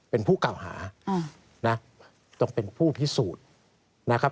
เป็นผู้เก่าหานะต้องเป็นผู้พิสูจน์นะครับ